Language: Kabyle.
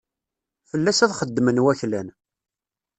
Fell-as ad xeddmen waklan.